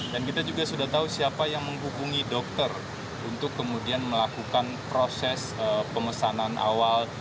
dan kita juga sudah tahu siapa yang menghukumi dokter untuk kemudian melakukan proses pemesanan awal